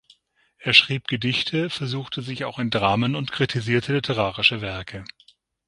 Er schrieb Gedichte, versuchte sich auch in Dramen und kritisierte literarische Werke.